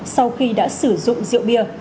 sau khi đã sử dụng rượu bia